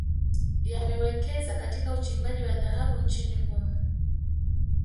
Yamewekeza Katika uchimbaji wa dhahabu nchini humo